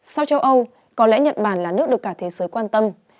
sau châu âu có lẽ nhật bản là nước được cả thế giới quan tâm